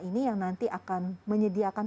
ini yang nanti akan menyediakan